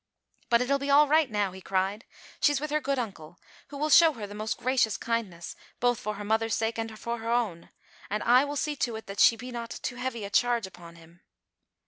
"But it'll be all right now," he cried, "she's with her good uncle, who will show her the most gracious kindness, both for her mother's sake and for her own; and I will see to it that she be not too heavy a charge upon him."